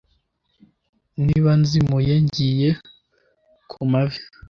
Niba nzimuye ngiye kumavi